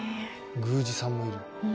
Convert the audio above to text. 「宮司さんもいる」